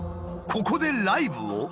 ここでライブを？